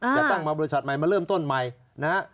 จะตั้งมาบริษัทใหม่มาเริ่มต้นใหม่นะฮะ